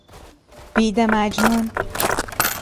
بید مجنون